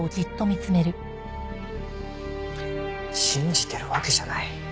信じてるわけじゃない。